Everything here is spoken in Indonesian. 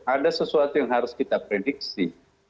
ada sesuatu yang harus kita prediksi